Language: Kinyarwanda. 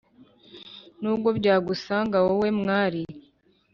Nubwo byagusanga wowe mwari